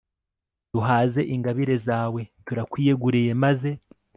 duhaze ingabire zawe, turakwiyeguriye, maze